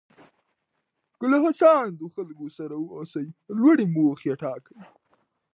که له هڅاندو خلکو سره اوسئ لوړې موخې ټاکئ.